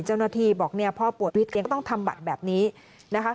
เจ้าหน้าที่บอกพ่อปวดตะวิทย์ก็ต้องทำบัตรแบบนี้นะคะ